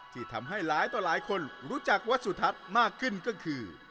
ที่ทำให้หลายต่อหลายคนรู้จักวัดสุทัศน์มากขึ้นก็คือ